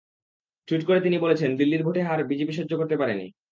Tweet করে তিনি বলেছেন, দিল্লির ভোটে হার বিজেপি সহ্য করতে পারেনি।